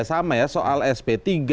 sama ya soal sp tiga